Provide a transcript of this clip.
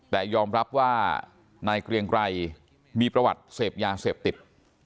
แต่ยอมรับว่านายเกรียงไกรมีประวัติเสพยาเสพติด